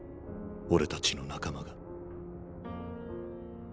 俺たちの仲間が。